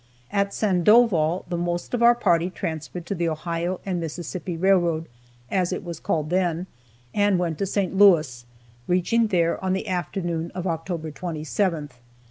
At Sandoval the most of our party transferred to the Ohio and Mississippi railroad, (as it was called then,) and went to St. Louis, reaching there on the afternoon of October 27th.